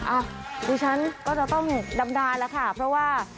อ่ะดิฉันก็จะต้องดำนานแล้วค่ะเพราะว่า